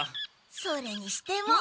それにしても。